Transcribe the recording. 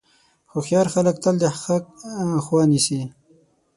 هوښیار خلک تل د حق خوا نیسي.